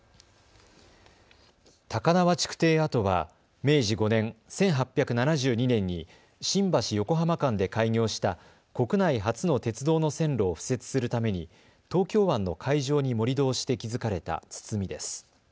高輪築堤跡は明治５年１８７２年に新橋・横浜間で開業した国内初の鉄道の線路を敷設するために東京湾の海上に盛り土をして築かれた堤です。